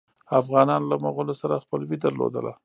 افغانانو له مغولو سره خپلوي درلودله.